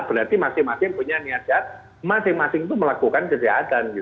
berarti masing masing punya niat jahat masing masing itu melakukan kejahatan